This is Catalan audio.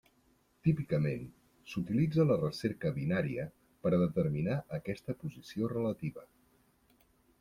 Típicament s'utilitza la recerca binària per a determinar aquesta posició relativa.